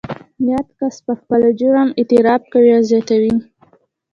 یاد کس پر خپل جرم اعتراف کوي او زیاتوي